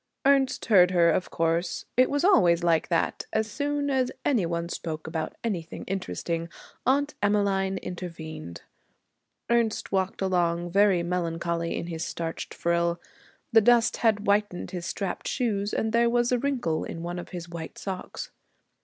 Ernest heard her, of course. It was always like that: as soon as any one spoke about anything interesting, Aunt Emmeline intervened. Ernest walked along very melancholy in his starched frill. The dust had whitened his strapped shoes, and there was a wrinkle in one of his white socks.